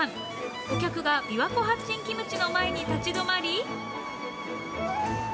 お客が琵琶湖八珍キムチの前に立ち止まり。